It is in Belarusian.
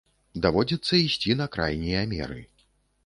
Даводзіцца ісці на крайнія меры.